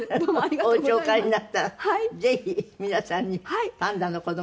お家お帰りになったらぜひ皆さんにパンダの子供。